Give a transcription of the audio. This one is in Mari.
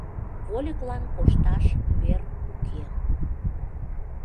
Вольыклан кошташ вер уке.